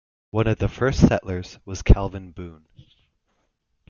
One of the first settlers was Calvin Boone.